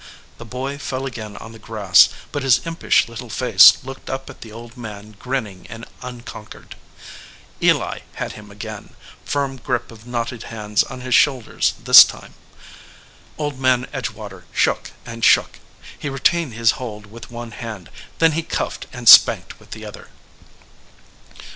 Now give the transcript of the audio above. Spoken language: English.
The boy fell again on the grass, but his impish little face looked up at the old man grinning and unconquered. Eli 107 EDGEWATER PEOPLE had him again, firm grip of knotted hands on his shoulders this time. Old Man Edgewater shook and shook. He retained his hold with one hand, then he cuffed and spanked with the other.